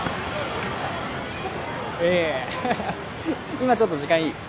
今ちょっと時間いい？